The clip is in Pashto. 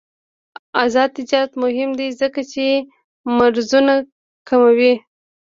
آزاد تجارت مهم دی ځکه چې مرزونه کموي.